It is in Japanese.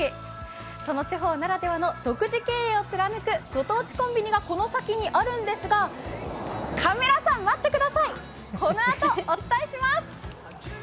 その地方ならではの独自経営を貫く御当地コンビニがこの先にあるんですが、カメラさん、待ってください、このあとお伝えします。